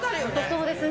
そうですね。